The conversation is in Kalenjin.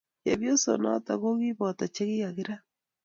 Chepyosoo noto ko kiboto che kikirat